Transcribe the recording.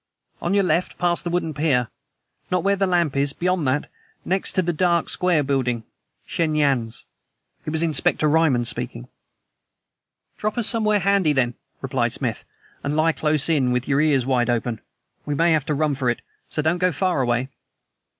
"On your left, past the wooden pier! Not where the lamp is beyond that; next to the dark, square building Shen Yan's." It was Inspector Ryman speaking. "Drop us somewhere handy, then," replied Smith, "and lie close in, with your ears wide open. We may have to run for it, so don't go far away."